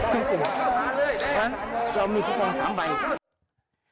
จึงกลัวเรามีคูปอง๓ใบ